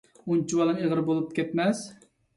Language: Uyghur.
ئۇنچىۋالامۇ ئېغىر بولۇپ كەتمەس!